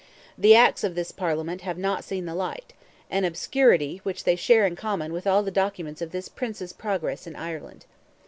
The acts of this parliament have not seen the light; an obscurity which they share in common with all the documents of this Prince's progress in Ireland.